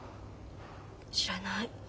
知らない。